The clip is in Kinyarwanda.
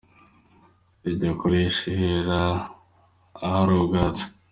Ijya kurisha ihera ahari ubwatsi.